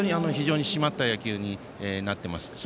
締まった野球になっています。